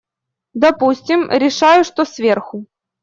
Допустим, решаю, что сверху.